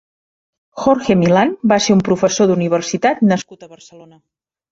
Jorge Milán va ser un professor d'universitat nascut a Barcelona.